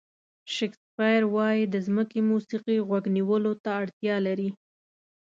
شکسپیر وایي د ځمکې موسیقي غوږ نیولو ته اړتیا لري.